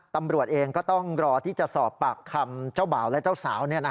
ตำรวจเองก็ต้องรอที่จะสอบปากคำเจ้าบ่าวและเจ้าสาว